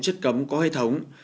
chất cấm có hệ thống